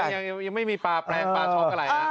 ยังไม่มีปลาแปลงปลาช็อกอะไรนะ